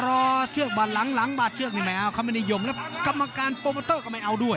เดินลอเชือกมาหลังบาสเชือกนี่ไม่เอา